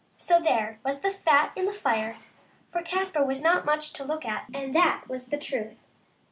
So there was the fat in the fire, for Caspar was not much to look at, and that was the truth.